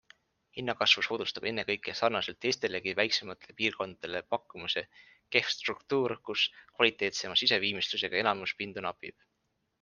Hinnakasvu soodustab ennekõike sarnaselt teistelegi väiksematele piirkondadele pakkumise kehv struktuur, kus kvaliteetsema siseviimistlusega elamispindu napib.